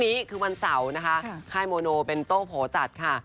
วันนี้คือวันเสาร์นะคะค่ายโมโนเป็นโต้งโผจัดค่ะ